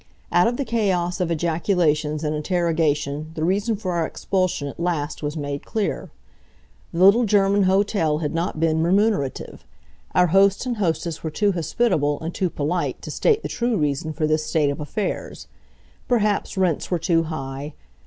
Out of the chaos of ejaculations and interrogation the reason for our expulsion at last was made clear. The little German hotel had not been remunerative. Our host and hostess were too hospitable and too polite to state the true reason for this state of affairs. Perhaps rents were too high.